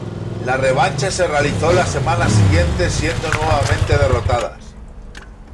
La revancha se realizó la semana siguiente siendo nuevamente derrotadas.